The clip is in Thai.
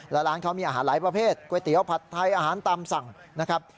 และร้านเขามีอาหารหลายประเภทก๋วยเตี๋ยวผัดไทยอาหารตามสั่งนะครับ